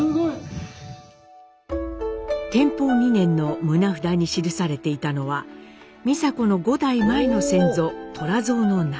天保２年の棟札に記されていたのは美佐子の五代前の先祖寅蔵の名。